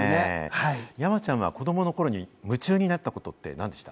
山ちゃんは子供の頃に夢中になったことって何でした？